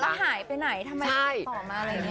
แล้วหายไปไหนทำไมติดต่อมาอะไรอย่างนี้